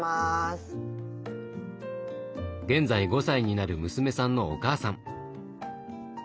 現在５歳になる娘さんのお母さん。